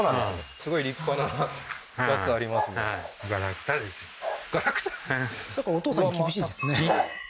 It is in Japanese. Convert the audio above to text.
すごい立派なやつありますねはいガラクタ？